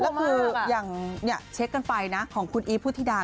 แล้วคืออย่างเช็คกันไปนะของคุณอีฟพุทธิดา